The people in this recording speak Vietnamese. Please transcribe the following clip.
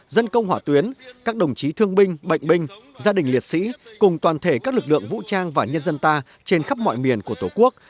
dân công hỏa tuyến các đồng chí thương binh bệnh binh gia đình liệt sĩ cùng toàn thể các lực lượng vũ trang và nhân dân ta trên khắp mọi miền của tổ quốc